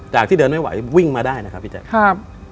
ที่เดินไม่ไหววิ่งมาได้นะครับพี่แจ๊คครับ